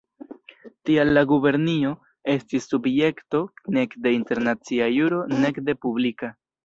Tial la gubernio estis subjekto nek de internacia juro nek de publika.